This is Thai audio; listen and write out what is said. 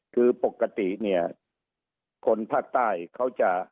คือปกติเนี่ยคนภาคใต้เขาจะ